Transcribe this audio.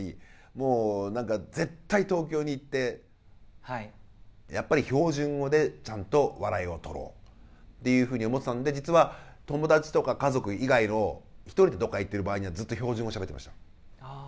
もう何か絶対東京に行ってやっぱり標準語でちゃんと笑いを取ろうっていうふうに思ってたんで実は友達とか家族以外の一人でどっか行ってる場合にはずっと標準語しゃべってました。